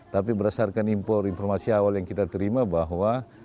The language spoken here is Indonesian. tapi berdasarkan informasi awal yang kita terima bahwa